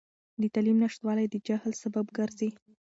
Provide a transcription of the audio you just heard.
د تعلیم نشتوالی د جهل سبب ګرځي.